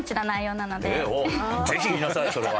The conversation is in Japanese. ぜひ言いなさいそれは。